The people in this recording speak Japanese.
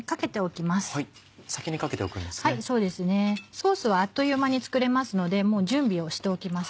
ソースはあっという間に作れますのでもう準備をしておきます。